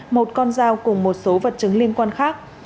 một con dao cùng một số vật chứng liên quan khác